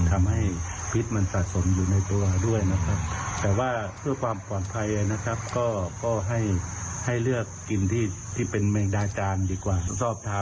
ภาพที่ลูกค้าคุณปุ๋ยโพสเอาไว้